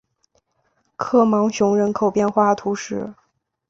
科芒雄人口变化图示